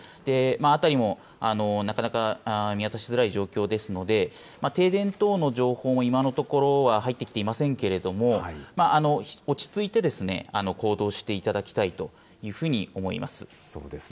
辺りもなかなか見渡しづらい状況ですので、停電等の情報も、今のところは入ってきていませんけれども、落ち着いて行動していただきたいというふうに思います。